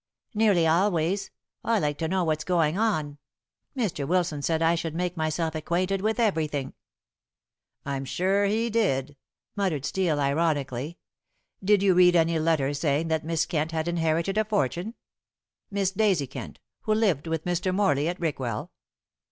"Nearly always. I like to know what's going on. Mr. Wilson said I should make myself acquainted with everything." "I'm sure he did," muttered Steel ironically. "Did you read any letter saying that Miss Kent had inherited a fortune? Miss Daisy Kent, who lived with Mr. Morley at Rickwell?"